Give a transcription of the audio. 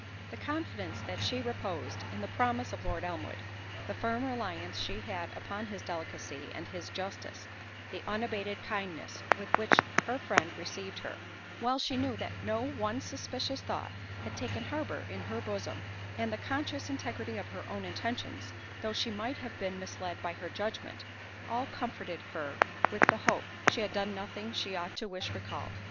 The confidence that she reposed in the promises of Lord Elmwood—the firm reliance she had upon his delicacy and his justice—the unabated kindness with which her friend received her, while she knew that no one suspicious thought had taken harbour in her bosom—and the conscious integrity of her own intentions, though she might have been misled by her judgment, all comforted her with the hope, she had done nothing she ought to wish recalled.